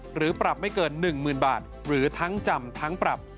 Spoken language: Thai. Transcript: หรือปรับไม่เกิน๑๐๐๐บาทหรือทั้งจำทั้งปรับ